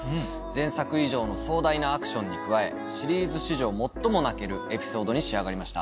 前作以上の壮大なアクションに加えシリーズ史上最も泣けるエピソードに仕上がりました。